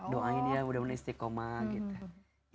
doain ya mudah mudahan istiqomah gitu